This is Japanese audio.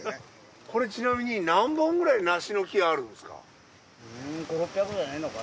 これちなみに何本くらい梨の木があるんですか？